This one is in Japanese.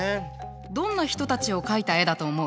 どんな人たちを描いた絵だと思う？